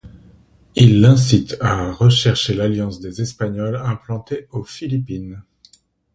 Ils l’incitent à rechercher l’alliance des Espagnols implantés aux Philippines.